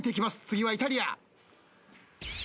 次はイタリア。